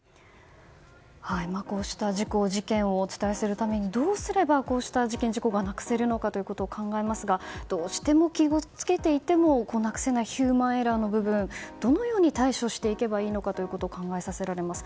こうした事故・事件をお伝えするたびにどうすればこうした事件・事故がなくせるのか考えますがどうしても気を付けていてもなくせないヒューマンエラーの部分どのように対処していけばいいのかということを考えさせられます。